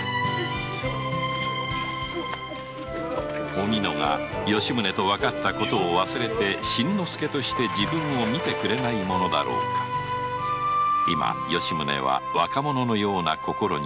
おみのが吉宗とわかったことを忘れて新之助として自分を見てくれないものだろうか今吉宗は若者のような心にかえっていた